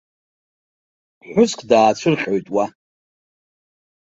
Ԥҳәыск даацәырҟьоит уа.